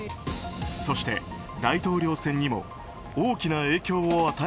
そして大統領選にも大きな影響を与え